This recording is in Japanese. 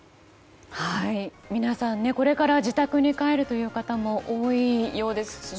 皆さんこれから自宅に帰るという方も多いようですしね。